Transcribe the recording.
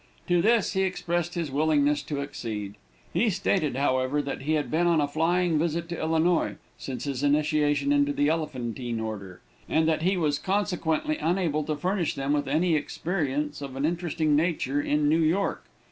To this he expressed his willingness to accede. He stated, however, that he had been on a flying visit to Illinois since his initiation into the Elephantine order, and that he was consequently unable to furnish them with any experience of an interesting nature, in New York.